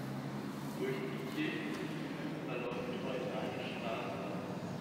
Durch die Kirchenruine verläuft heute eine Straße.